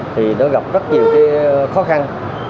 thì nó gặp rất nhiều cái khó khăn